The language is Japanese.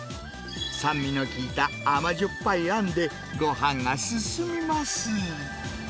酸味の効いた甘じょっぱいあんで、ごはんが進みます。